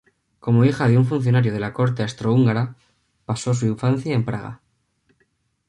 Como hija de un funcionario de la corte austrohúngara, pasó su infancia en Praga.